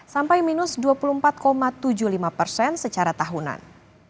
sampai minus dua puluh empat tujuh puluh lima persen secara tahunan